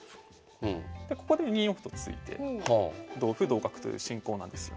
でここで２四歩と突いて同歩同角という進行なんですよ。